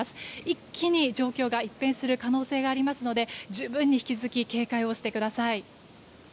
一気に状況が一変する可能性がありますので十分に、引き続き警戒をしてください。